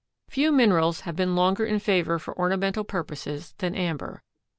Few minerals have been longer in favor for ornamental purposes than amber.